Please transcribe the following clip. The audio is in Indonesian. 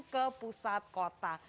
ke pusat kota